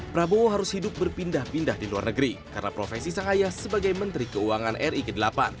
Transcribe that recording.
prabowo harus hidup berpindah pindah di luar negeri karena profesi sang ayah sebagai menteri keuangan ri ke delapan